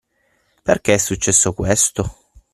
Perché è successo questo?